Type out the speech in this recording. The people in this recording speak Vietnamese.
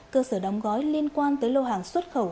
cơ sở đóng gói liên quan tới lô hàng xuất khẩu